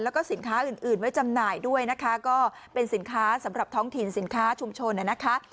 แล้วก็สินค้าอื่นไว้จำหน่ายด้วยนะคะก็เป็นสินค้าสำหรับท้องถิ่นสินค้าชุมชนนะคะ